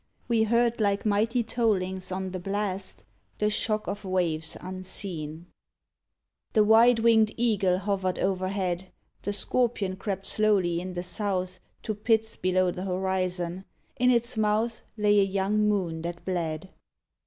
We heard like mighty tollings on the blast The shock of waves unseen. 53 THE SWIMMERS The wide winged Eagle hovered overhead; The Scorpion crept slowly in the south To pits below the horizon; in its mouth Lay a young moon that bled.